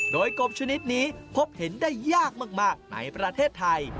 โดยกบชนิดนี้พบเห็นได้ยากมากในประเทศไทย